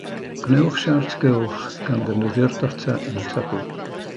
Gwnewch siart gylch gan ddefnyddio'r data yn y tabl